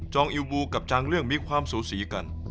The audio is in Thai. จองอินวุ่นกับจางเลี่ยงกันล่ะ